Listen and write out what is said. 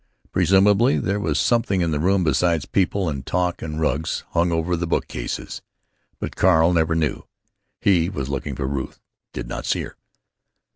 Presumably there was something in the room besides people and talk and rugs hung over the bookcases. But Carl never knew. He was looking for Ruth. He did not see her.